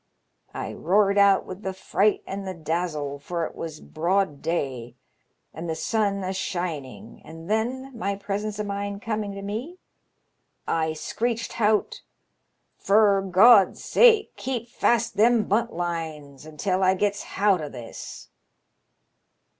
I roared out with th' fright an' th' dazzle, for it was broad day, an' the sun ashining, and then, my presence o' mind coming to me, I screeched hout, * For God's sake, keep fast them buntlines ontil I gits hout o' this.'